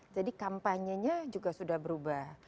jadi kampanyenya juga sudah berubah